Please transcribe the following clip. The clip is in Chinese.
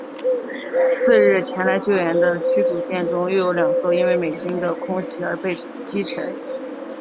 次日前来救援的驱逐舰中又有两艘因为美军的空袭而被击沉。